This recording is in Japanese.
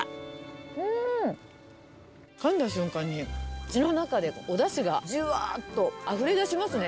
うーん、かんだ瞬間に、口の中でおだしがじゅわーっとあふれだしますね。